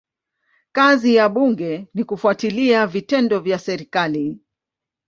Kazi ya bunge ni kufuatilia vitendo vya serikali.